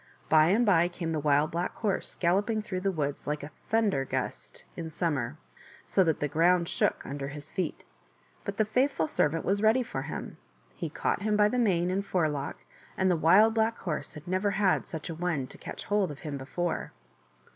By and by came the Wild Black Horse galloping through the woods like a thunder gust in I^( potttig jitoig biinsei^ ^ nip 24 THE WATER OF LIFE. summer, so that the ground shook under his feet. But the faithful servant was ready for him ; he caught him by the mane and forelock, and the Wild Black Horse had never had such a one to catch hold of him before.